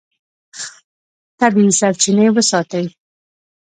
طبیعي سرچینې وساتئ.